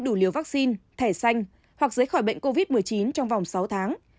đủ liều vaccine thẻ xanh hoặc giấy khỏi bệnh covid một mươi chín trong vòng sáu tháng